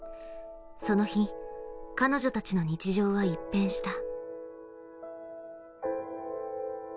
その日、彼女たちの日常は一変した。